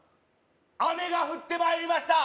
雨が降ってまいりました